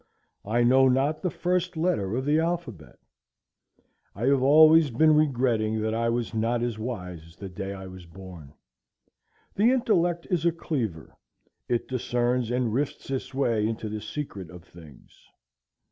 I know not the first letter of the alphabet. I have always been regretting that I was not as wise as the day I was born. The intellect is a cleaver; it discerns and rifts its way into the secret of things.